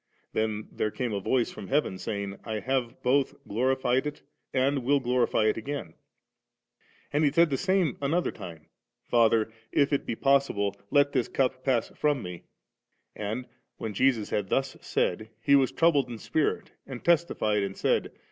Then came there a voice from heaven, sa3ring, I have both glorified it, and will glorify it again ^' And He said the same another time ;' Father, if it be possible, let this cup pass from Me ;' and ^When Jesus had thus said. He was troubled in spirit and testified and said.